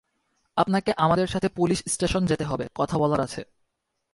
আপনাকে আমাদের সাথে পুলিশ স্টেশন যেতে হবে, কথা বলার আছে।